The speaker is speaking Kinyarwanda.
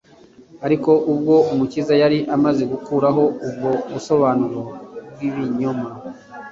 Ariko ubwo Umukiza yari amaze gukuraho ubwo busobanuro bw’ibinyoma